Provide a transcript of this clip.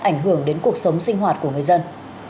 ảnh hưởng đến cuộc sống sinh hoạt của người dân